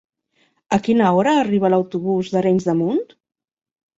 A quina hora arriba l'autobús d'Arenys de Munt?